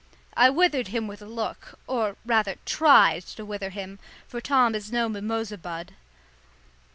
I withered him with a look, or rather tried to wither him, for Tom is no mimosa bud.